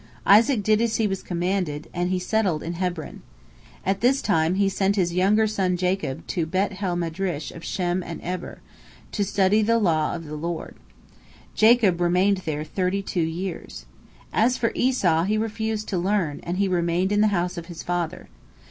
Isaac did as he was commanded, and he settled in Hebron. At this time he sent his younger son Jacob to the Bet ha Midrash of Shem and Eber, to study the law of the Lord. Jacob remained there thirty two years. As for Esau, he refused to learn, and he remained in the house of his father.